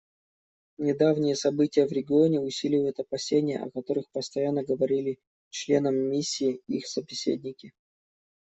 Недавние события в регионе усиливают опасения, о которых постоянно говорили членам миссии их собеседники.